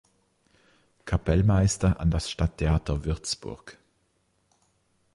Kapellmeister an das Stadttheater Würzburg.